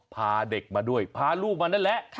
พาเด็กมาด้วยพาลูกมานั่นแหละ